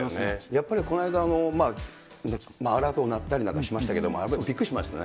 やっぱりこの間、アラート鳴ったりなんかしましたけれども、びっくりしましたね。